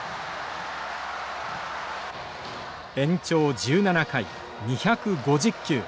延長１７回２５０球。